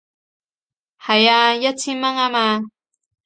係啊，一千蚊吖嘛